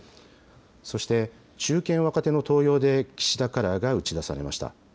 そして、中堅・若手の登用で岸田カラーが打ち出されました。